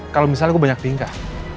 kalau misalnya gue banyak bingkah